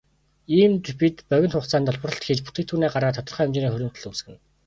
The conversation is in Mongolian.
Иймд бид богино хугацаанд олборлолт хийж бүтээгдэхүүнээ гаргаад тодорхой хэмжээний хуримтлал үүсгэнэ.